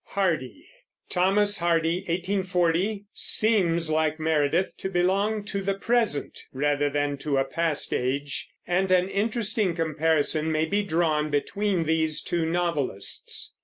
HARDY. Thomas Hardy (1840 ) seems, like Meredith, to belong to the present rather than to a past age, and an interesting comparison may be drawn between these two novelists.